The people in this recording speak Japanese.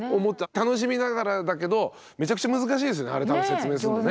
楽しみながらだけどめちゃくちゃ難しいですよねあれ説明するのね。